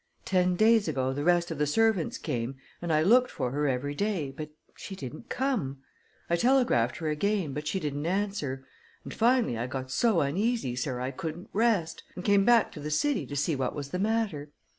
Ten days ago the rest of the servants came, and I looked for her every day, but she didn't come. I telegraphed her again, but she didn't answer, and, finally, I got so uneasy, sir, I couldn't rest, and came back to the city to see what was the matter.